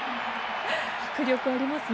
迫力ありますね。